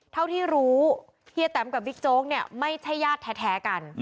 เท่าที่รู้เฮียแตมกับบิ๊กโจ๊กเนี่ยไม่ใช่ญาติแท้กัน